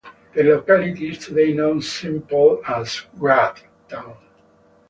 The locality is today known simply as "Grad" ("town").